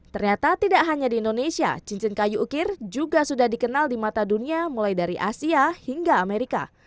ternyata tidak hanya di indonesia cincin kayu ukir juga sudah dikenal di mata dunia mulai dari asia hingga amerika